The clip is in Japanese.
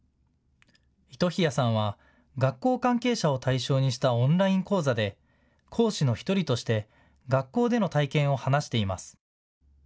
糸日谷さんは学校関係者を対象にしたオンライン講座で講師の１人として学校での体験を話しています。